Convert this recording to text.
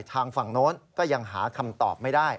ทางฝั่งโน้นก็ยังหาคำตอบไม่ได้